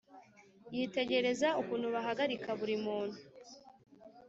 yitegereza ukuntu baharika buri muntu